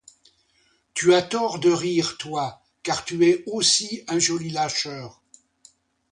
Tu as tort de rire, toi, car tu es aussi un joli lâcheur.